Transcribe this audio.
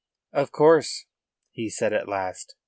"Of course," he said at last.